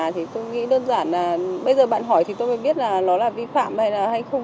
thì tôi nghĩ đơn giản là bây giờ bạn hỏi thì tôi mới biết là nó là vi phạm hay là hay không